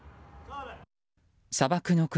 砂漠の国